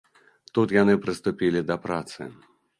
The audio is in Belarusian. Тут яны прыступілі да працы.